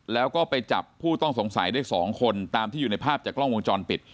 แล้วก็ไปจับผู้ต้องสงสัยได้๒คนตามที่อยู่ในภาพจากกล้องวงจรปิด